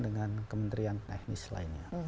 dengan kementerian teknis lainnya